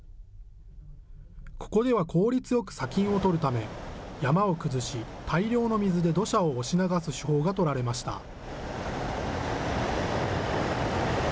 ここでは効率よく砂金を採るため、山を崩し、大量の水で土砂を押し流す手法が取られました。